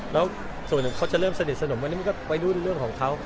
แล้วส่วนหนึ่งเขาจะเริ่มสนิทสนมวันนี้มันก็วัยรุ่นเรื่องของเขา